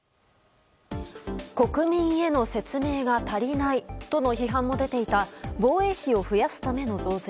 国民への説明が足りないとの批判も出ていた防衛費を増やすための増税。